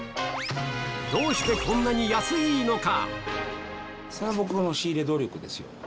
どうしてこんなに安イイのか？